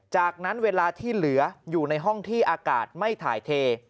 จากนั้นเวลาที่เหลืออยู่ในห้องที่อากาศไม่ถ่ายเท